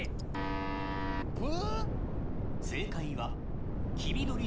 ブ？